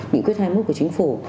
nghị quyết hai mươi một của chính phủ